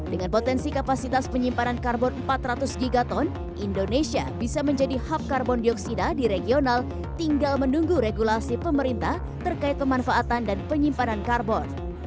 dengan potensi kapasitas penyimpanan karbon empat ratus gigaton indonesia bisa menjadi hub karbon dioksida di regional tinggal menunggu regulasi pemerintah terkait pemanfaatan dan penyimpanan karbon